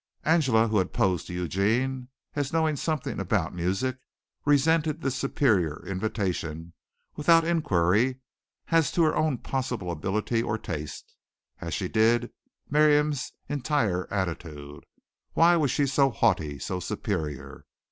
Angela, who had posed to Eugene as knowing something about music, resented this superior invitation, without inquiry as to her own possible ability or taste, as she did Miriam's entire attitude. Why was she so haughty so superior?